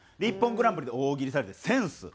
『ＩＰＰＯＮグランプリ』で大喜利されたりセンス。